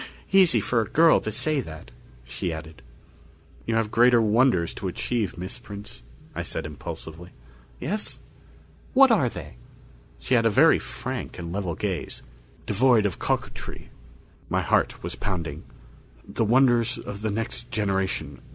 "Easy for a girl to say that," she added. "You have greater wonders to achieve, Miss Prince," I said impulsively. "Yes? What are they?" She had a very frank and level gaze, devoid of coquetry. My heart was pounding. "The wonders of the next generation.